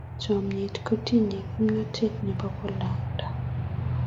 Chomnyet kotinyei kimnatet nebo kolanda.